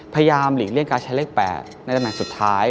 หลีกเลี่ยงการใช้เลข๘ในตำแหน่งสุดท้าย